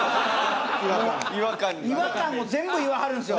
違和感を全部言わはるんですよ。